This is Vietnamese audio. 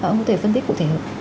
ông có thể phân tích cụ thể hợp